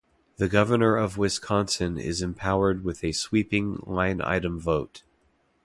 The Governor of Wisconsin is empowered with a sweeping line-item veto.